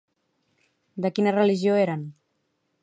De quina religió eren?